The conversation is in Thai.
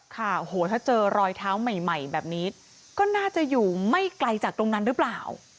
ค่ะโอ้โหถ้าเจอรอยเท้าใหม่แบบนี้ก็น่าจะอยู่ไม่ไกลจากตรงนั้นหรือเปล่า